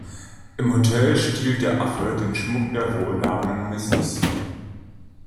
Im Hotel stiehlt der Affe den Schmuck der wohlhabenden Mrs.